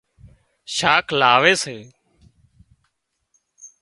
شاک لاوي سي